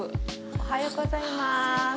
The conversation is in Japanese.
おはようございます。